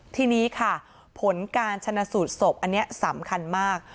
ทีนี้ค่ะผลการชนะสูตรศพอันนี้สำคัญมาก